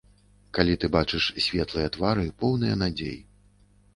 Калі ты бачыш светлыя твары, поўныя надзей.